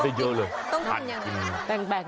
ที่นี่มันเสาครับ